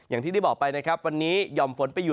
อย่างที่ได้บอกไปวันนี้ยอมฝนไปหยุด